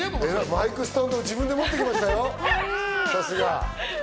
マイクスタンド、自分で持って行きましたよ、さすが。